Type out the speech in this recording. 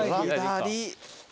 左。